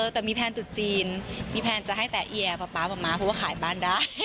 แต่มีแพลนตุดจีนมีแพลนจะให้แต่อีแอร์ประมาณเพราะว่าขายบ้านได้